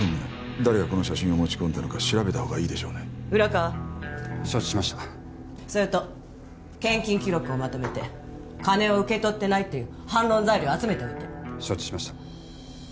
誰がこの写真を持ち込んだのか調べた方がいいでしょうね浦川承知しましたそれと献金記録をまとめて金を受け取ってないっていう反論材料を集めておいて承知しました